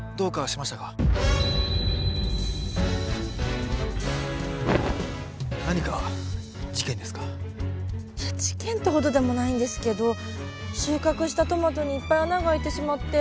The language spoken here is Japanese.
いや事件ってほどでもないんですけど収穫したトマトにいっぱい穴があいてしまって。